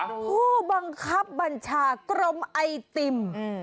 ผู้บังคับบัญชากรมไอติม